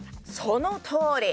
そのとおり。